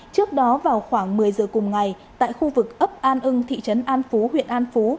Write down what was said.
trước đó vào khoảng một mươi giờ cùng ngày tại khu vực ấp an ưng thị trấn an phú huyện an phú